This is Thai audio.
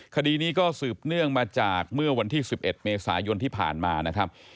คดีนี้ก็สืบเนื่องมาจากเมื่อวันที่๑๑เมษายนที่ผ่านมานะครับ